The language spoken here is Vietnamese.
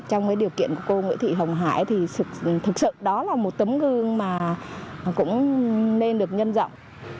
trong điều kiện của cô nguyễn thị hồng hải thì thực sự đó là một tấm gương mà cũng nên được nhân rộng